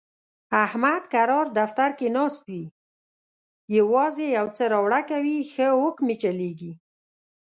احمد کرار دفتر کې ناست وي، یووازې یوسه راوړه کوي، ښه حکم یې چلېږي.